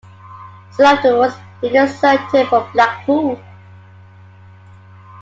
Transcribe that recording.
Soon afterwards he deserted from Blackpool.